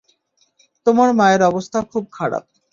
তোমার মায়ের অবস্থা খুব খারাপ।